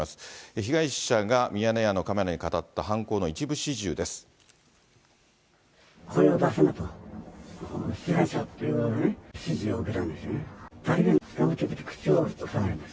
被害者がミヤネ屋のカメラに語った犯行の一部始終です。